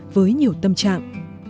với nhiều tâm trạng